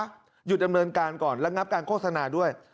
หยุดดำเนินการก่อนระงับการโฆษณาด้วย